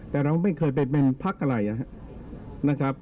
แต่เราไม่เคยไปเป็นพักอะไรนะครับ